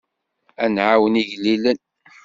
Ad nɛawen igellilen.